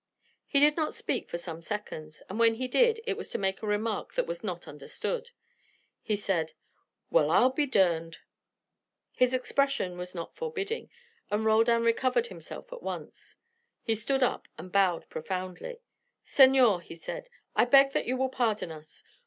He did not speak for some seconds, and when he did, it was to make a remark that was not understood. He said: "Well, I'll be durned!" His expression was not forbidding, and Roldan recovered himself at once. He stood up and bowed profoundly. "Senor," he said, "I beg that you will pardon us.